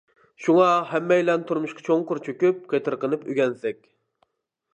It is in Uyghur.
شۇڭا ھەممەيلەن تۇرمۇشقا چوڭقۇر چۆكۈپ، قېتىرقىنىپ ئۆگەنسەك.